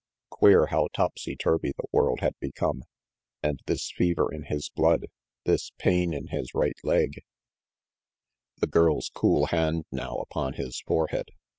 Queer, how topsy turvy the world had become. And this fever in his blood, this pain in his right leg The girl's cool hand now upon his forehead.